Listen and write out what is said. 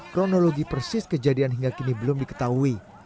kronologi persis kejadian hingga kini belum diketahui